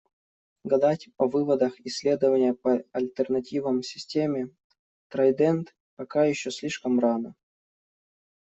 Гадать о выводах "Исследования по альтернативам системе 'Трайдент'" пока еще слишком рано.